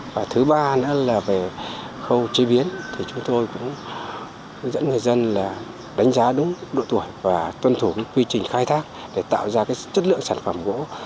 và thứ ba nữa là về khâu chế biến thì chúng tôi cũng hướng dẫn người dân là đánh giá đúng độ tuổi và tuân thủ quy trình khai thác để tạo ra chất lượng sản phẩm gỗ